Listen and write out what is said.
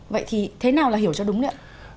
vậy thì thế nào là hiểu cho đúng đấy ạ